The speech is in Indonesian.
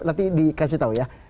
nanti dikasih tahu ya